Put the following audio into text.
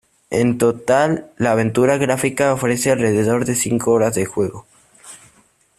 En total, la aventura gráfica ofrece alrededor de cinco horas de juego.